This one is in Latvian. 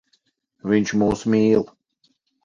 Viņš mūs mīl.